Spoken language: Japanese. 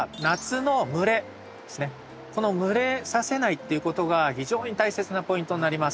この蒸れさせないっていうことが非常に大切なポイントになります。